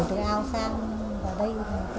là chuyển đổi từ ao sang vào đây